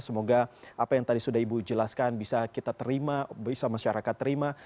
semoga apa yang tadi sudah ibu jelaskan bisa kita terima bisa masyarakat terima